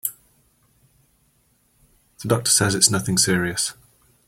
The doctor says it's nothing serious.